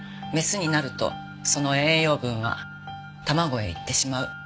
「メスになるとその栄養分は卵へ行ってしまう」